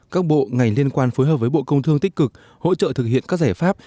các bộ ngành liên quan phối hợp với bộ công thương tích cực hỗ trợ thực hiện các giải pháp